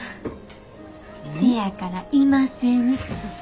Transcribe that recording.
せやからいません。